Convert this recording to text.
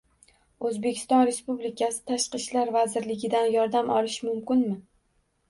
O‘zbekiston Respublikasi Tashqi ishlar vazirligidan yordam olish mumkinmi?